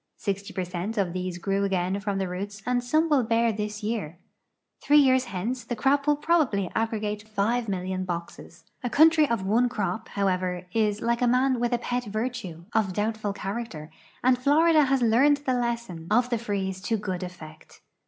Sixty per cent of these grew again from the roots and some will bear this year. Three years hence the crop will probably aggregate 5,000,000 boxes. A country of one crop, however, is, like a man with a i>et virtue, of doul)tful character, and Florida has learned the lesson of the freeze to good effect.